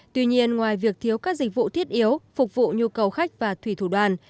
tuy nhiên ngoài việc thiếu các dịch vụ thiết yếu phục vụ nhu cầu khách và thủy thủ đoàn